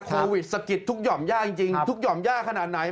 โควิดสะกิดทุกห่อมยากจริงทุกหย่อมยากขนาดไหน